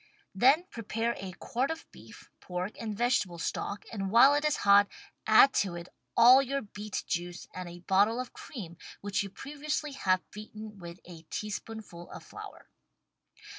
Then prepare a quart of beef, pork and vegetable stock and while it is hot add to it all your beet juice and a bottle of cream which you previously have beaten with a teaspoonful of flour.